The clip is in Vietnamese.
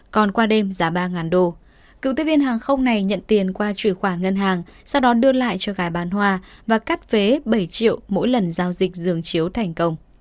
còn qua đêm giá ba đô cựu tiếp viên hàng không này nhận tiền qua chuyển khoản ngân hàng sau đó đưa lại cho gái bán hoa và cắt phế bảy triệu mỗi lần giao dịch giường chiếu thành công